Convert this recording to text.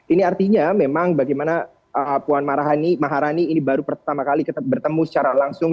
ini artinya memang bagaimana puan maharani ini baru pertama kali bertemu secara langsung